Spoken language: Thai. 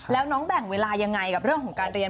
แล้วน้องแบ่งเวลายังไงกับเรื่องของการเรียน